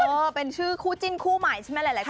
เออเป็นชื่อคู่จิ้นคู่ใหม่ใช่ไหมหลายคน